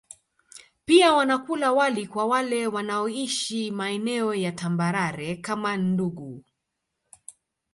Pia wanakula wali kwa wale wanaoishi maeneo ya tambarare kama Ndungu